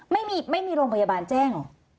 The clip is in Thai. ไม่มีโรงพยาบาลแจ้งเหรอ